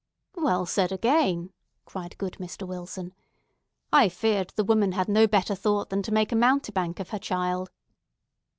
"Well said again!" cried good Mr. Wilson. "I feared the woman had no better thought than to make a mountebank of her child!"